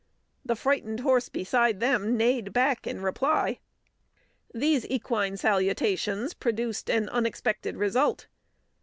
The frightened horse beside them neighed back in reply. These equine salutations produced an unexpected result.